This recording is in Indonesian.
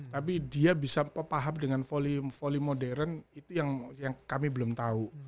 tapi dia bisa paham dengan volley modern itu yang kami belum tahu